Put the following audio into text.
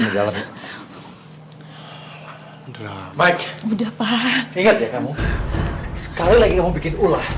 mudah mudahan inget ya kamu sekali lagi bikin ulah ulah